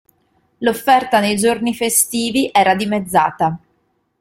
L'offerta nei giorni festivi era dimezzata.